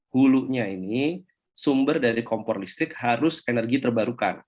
hulunya ini sumber dari kompor listrik harus energi terbarukan